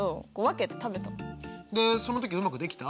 でその時うまくできた？